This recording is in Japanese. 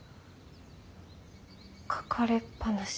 書かれっぱなし。